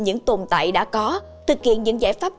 những tồn tại đã có thực hiện những giải pháp